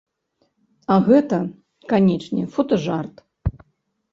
А гэта, канечне, фотажарт!